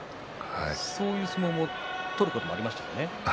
そういう相撲を取ることもありましたね。